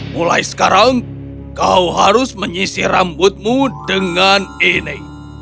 mulai sekarang kau harus menyisir rambutmu dengan ini